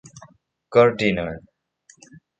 Gardiner.